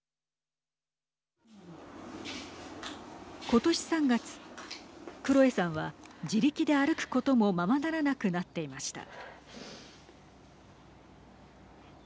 ことし３月クロエさんは自力で歩くこともままならなくなっていました。